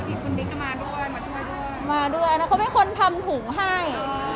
พี่คุณดิ๊กจะมาด้วยมาช่วยด้วยมาด้วยนะเขาเป็นคนทำถุงให้